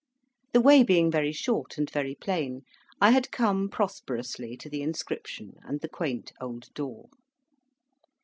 The way being very short and very plain, I had come prosperously to the inscription and the quaint old door.